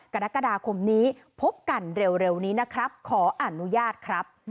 กรกฎาคมนี้พบกันเร็วนี้นะครับขออนุญาตครับ